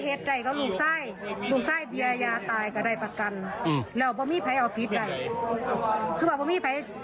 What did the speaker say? เพราะว่ายังเหลือปัจกรรมนำย่ายที่เล่าบอกได้